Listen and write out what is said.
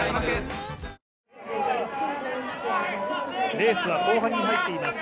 レースは後半に入っています。